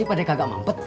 padahal kagak mampet